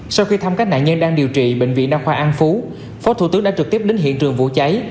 sau khi thăm các nạn nhân đang điều trị bệnh viện đa khoa an phú phó thủ tướng đã trực tiếp đến hiện trường vụ cháy